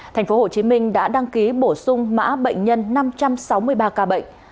thành phố hồ chí minh đã đăng ký bổ sung mã bệnh nhân năm trăm sáu mươi ba ca bệnh